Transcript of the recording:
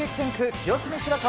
清澄白河。